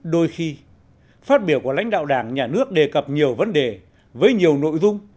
đôi khi phát biểu của lãnh đạo đảng nhà nước đề cập nhiều vấn đề với nhiều nội dung